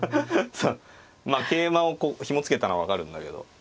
まあ桂馬をこうひも付けたのは分かるんだけど。